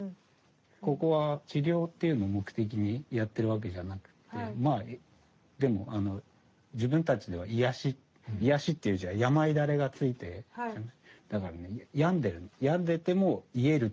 ここは治療っていうのを目的にやってるわけじゃなくてでも自分たちでは癒やし「癒やし」っていう字はやまいだれがついてるじゃない。